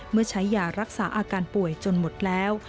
เมื่อใช้ยารักษาอาการป่วยจนหมดแล้ว